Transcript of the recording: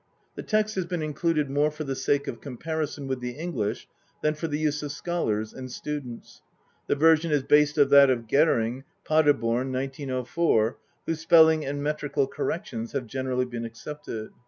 The text has been included more for the sake of comparison with the English than for the use of scholars and students. The version is based on that of Gering (Padeborn, 1904), whose spelling and metrical corrections have generally been adopted.